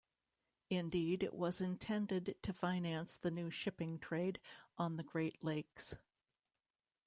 Indeed, it was intended to finance the new shipping trade on the Great Lakes.